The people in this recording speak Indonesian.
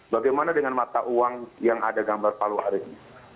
bagaimana dengan mata uang yang ada gambar palu arit